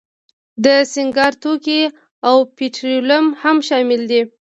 د سینګار توکي او پټرولیم هم شامل دي.